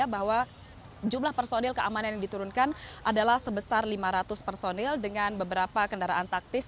bahwa jumlah personil keamanan yang diturunkan adalah sebesar lima ratus personil dengan beberapa kendaraan taktis